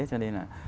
cho nên là